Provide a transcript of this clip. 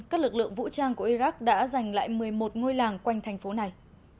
các lực lượng vũ trang của iraq đã giành lại một mươi một ngôi làng quanh thành phố này